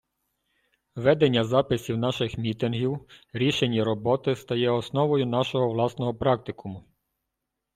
Ведення записів наших мітингів, рішень і роботи стає основою нашого власного практикуму.